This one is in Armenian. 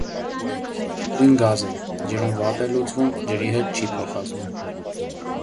Անգույն գազ է, ջրում վատ է լուծվում, ջրի հետ չի փոխազդում։